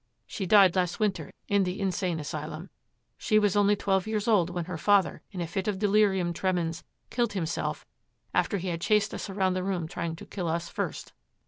She died last winter in the insane asylum. She was only twelve years old when her father, in a fit of delirium tremens, killed himself after he had chased us around the room trying to kill us first.